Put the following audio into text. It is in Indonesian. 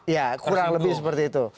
ya kurang lebih seperti itu